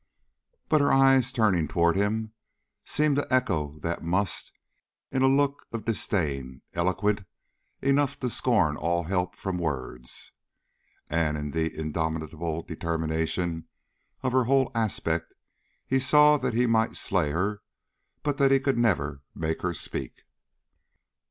But her eyes, turning toward him, seemed to echo that must in a look of disdain eloquent enough to scorn all help from words, and in the indomitable determination of her whole aspect he saw that he might slay her, but that he could never make her speak.